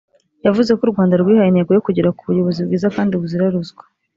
yavuze ko u Rwanda rwihaye intego yo kugera ku buyobozi bwiza kandi buzira ruswa